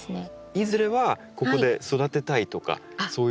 いずれはここで育てたいとかそういう感じですか？